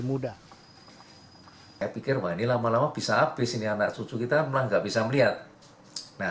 muda hai saya pikir wani lama lama bisa abis ini anak cucu kita memang nggak bisa melihat nah